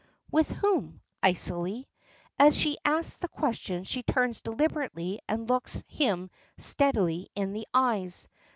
"With whom?" icily. As she asks the question she turns deliberately and looks him steadily in the eyes.